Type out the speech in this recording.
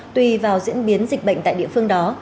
tùy vào diễn biến dịch bệnh tại địa phương đó